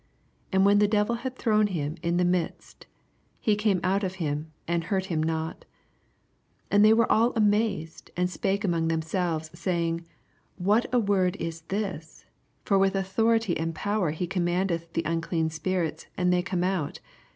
And when the devil had thrown him in the midst, he came c ut of him, and hurt )um not 86 And they wore all amazed, and spake among themselves, saying, What a word is this I for with autho rity and power he commandeth the undean spirits, and they come out.